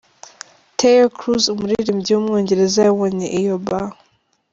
Taio Cruz, umuririmbyi w’umwongereza yabonye iauba.